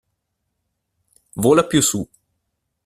Vola più su